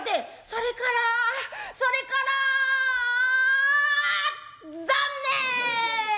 「それからそれから残念！